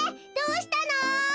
どうしたの？